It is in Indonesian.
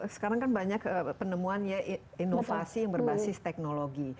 sekarang kan banyak penemuan ya inovasi yang berbasis teknologi